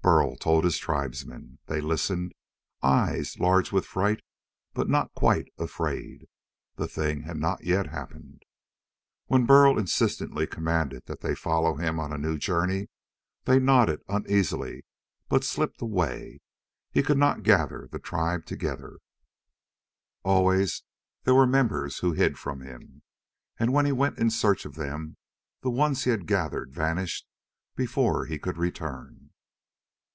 Burl told his tribesmen. They listened, eyes large with fright but not quite afraid. The thing had not yet happened. When Burl insistently commanded that they follow him on a new journey, they nodded uneasily but slipped away. He could not gather the tribe together. Always there were members who hid from him and when he went in search of them, the ones he had gathered vanished before he could return.